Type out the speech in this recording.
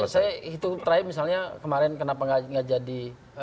saya itu try misalnya kemarin kenapa nggak jadi